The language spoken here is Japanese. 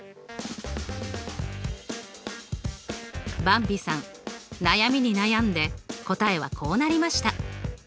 ばんびさん悩みに悩んで答えはこうなりました。